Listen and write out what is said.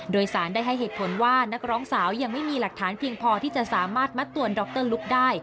โดยสารได้ให้เหตุผลว่านักร้องสาวยังไม่มีหลักฐานเพียงพอที่จะสามารถมัดตัวดรลุคได้